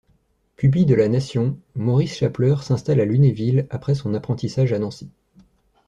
Pupille de la Nation, Maurice Chapleur s'installe à Lunéville après son apprentissage à Nancy.